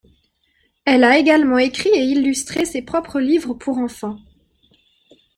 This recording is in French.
Elle a également écrit et illustré ses propres livres pour enfants.